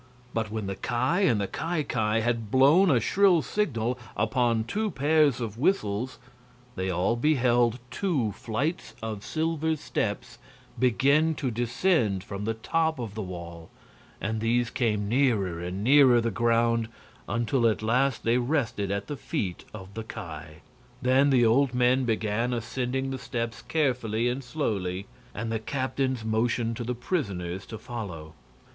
But when the Ki and the Ki Ki had blown a shrill signal upon two pairs of whistles, they all beheld two flights of silver steps begin to descend from the top of the wall, and these came nearer and nearer the ground until at last they rested at the feet of the Ki. Then the old men began ascending the steps carefully and slowly, and the captains motioned to the prisoners to follow.